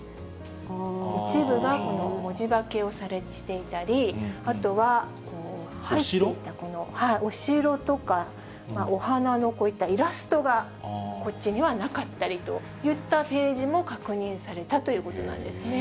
一部が文字化けをしていたり、あとはお城とか、お花のこういったイラストが、こっちにはなかったりといったページも確認されたということなんですね。